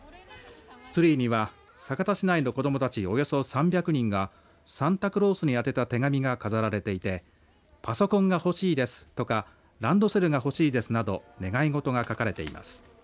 ツリーには酒田市内の子どもたちおよそ３００人がサンタクロースに宛てた手紙が飾られていてパソコンがほしいですとかランドセルがほしいですなど願いごとが書かれています。